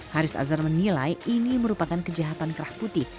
haris azhar menilai ini merupakan kejahatan kerah putih